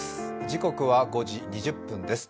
時刻は５時２０分です。